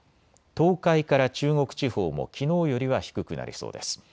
東海から中国地方もきのうよりは低くなりそうです。